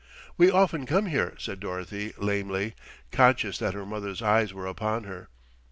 "We often come here," said Dorothy lamely, conscious that her mother's eyes were upon her.